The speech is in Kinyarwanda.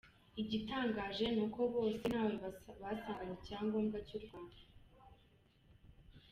Igitangaje ni uko bose ntawe basanganye icyangombwa cy’u Rwanda.